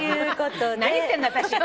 何言ってんだ私。